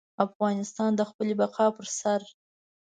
افغانستان د خپلې بقا پر سر.